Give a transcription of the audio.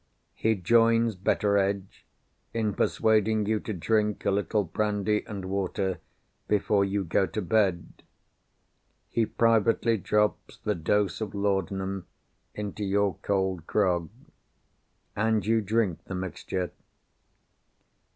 He joins Betteredge in persuading you to drink a little brandy and water before you go to bed. He privately drops the dose of laudanum into your cold grog. And you drink the mixture.